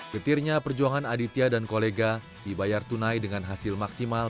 getirnya perjuangan aditya dan kolega dibayar tunai dengan hasil maksimal